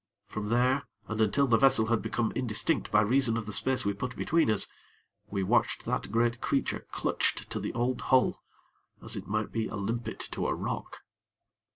From there and until the vessel had become indistinct by reason of the space we put between us, we watched that great creature clutched to the old hull, as it might be a limpet to a rock.